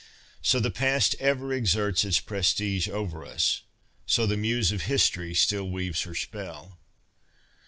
So the past ever exerts its prestige over us. So the muse of history still weaves her spell."